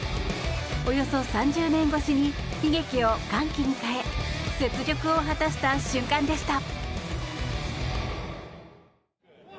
およそ３０年越しに悲劇を歓喜に変え雪辱を果たした瞬間でした。